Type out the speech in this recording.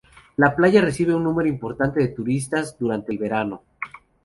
La playa recibe un número importante de turistas durante el verano.